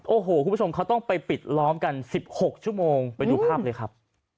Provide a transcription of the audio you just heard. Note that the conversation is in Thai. โอ้โหคุณผู้ชมเขาต้องไปปิดล้อมกัน๑๖ชั่วโมงไปดูภาพเลยครับ